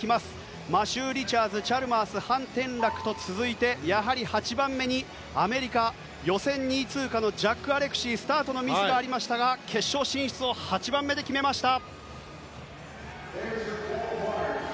マシュー・リチャーズチャルマースハン・テンラクと続いてやはり８番目にアメリカ予選２位通過のジャック・アレクシースタートのミスがありましたが決勝進出を８番目で決めました。